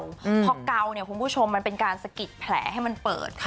พอเกาเนี่ยคุณผู้ชมมันเป็นการสะกิดแผลให้มันเปิดค่ะ